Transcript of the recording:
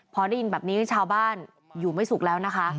พอได้ยินแบบนี้ชาวบ้านอยู่ไม่สุขแล้วนะคะ